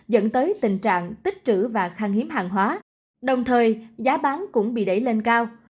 dẫn tới tình trạng tích trữ và khăn hiếm hàng hóa đồng thời giá bán cũng bị đẩy lên cao